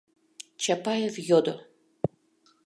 — Чапаев йодо.